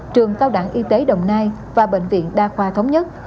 trường cao đẳng y tế đồng nai và bệnh viện đa khoa thống nhất